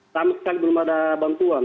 sama sekali belum ada bantuan